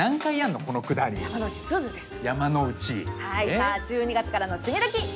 さあ「１２月からの趣味どきっ！」